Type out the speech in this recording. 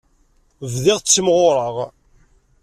Bdiɣ ttimɣureɣ.